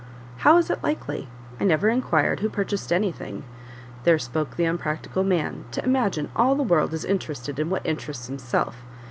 "How is it likely? I never inquired who purchased anything; there spoke the unpractical man to imagine all the world is interested in what interests himself!